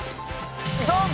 ドン！